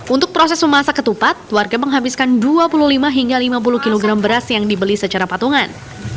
untuk proses memasak ketupat warga menghabiskan dua puluh lima hingga lima puluh kg beras yang dibeli secara patungan